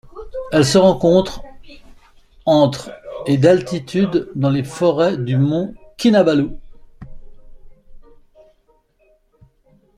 Elle se rencontre entre et d'altitude dans les forêts du Mont Kinabalu.